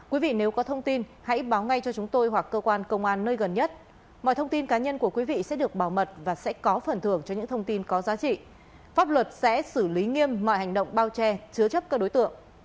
quý vị nếu có thông tin hãy báo ngay cho chúng tôi hoặc cơ quan công an nơi gần nhất mọi thông tin cá nhân của quý vị sẽ được bảo mật và sẽ có phần thưởng cho những thông tin có giá trị pháp luật sẽ xử lý nghiêm mọi hành động bao che chứa chấp các đối tượng